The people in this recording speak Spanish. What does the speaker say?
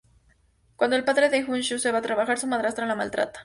Cuando el padre de Jung Suh se va a trabajar, su madrastra la maltrata.